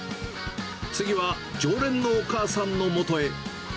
次は、常連のお母さんのもとへ。